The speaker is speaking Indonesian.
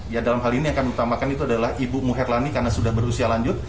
ya dalam hal ini yang kami utamakan itu adalah ibu muherlani karena sudah berusia lanjut